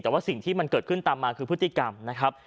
แต่ว่าสิ่งที่มันเกิดขึ้นตามมาคือพฤติกรรมนะครับ